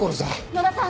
野田さん